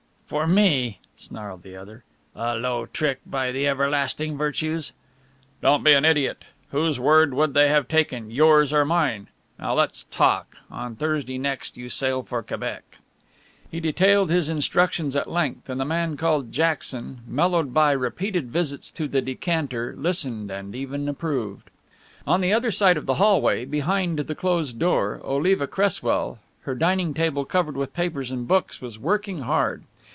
"For me!" snarled the other. "A low trick, by the Everlasting Virtues !" "Don't be an idiot whose word would they have taken, yours or mine? Now let's talk on Thursday next you sail for Quebec...." He detailed his instructions at length and the man called Jackson, mellowed by repeated visits to the decanter, listened and even approved. On the other side of the hallway, behind the closed door, Oliva Cresswell, her dining table covered with papers and books, was working hard.